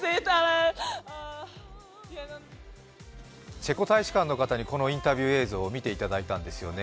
チェコ大使館の方にこのインタビュー映像を見ていただいたんですよね。